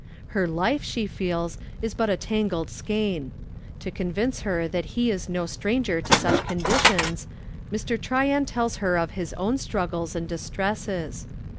Her life, she feels, is but a tangled skein. To convince her that he is no stranger to such conditions, Mr. Tryan tells her of his own struggles and distresses.